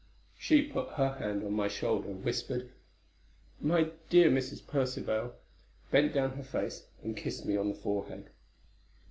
She put her hand on my shoulder, whispered. "My dear Mrs. Percivale!" bent down her face, and kissed me on the forehead.